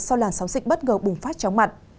sau làn sóng dịch bất ngờ bùng phát chóng mặt